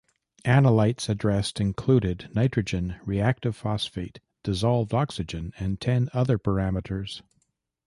Analytes addressed included nitrogen, reactive phosphate, dissolved oxygen and ten other parameters.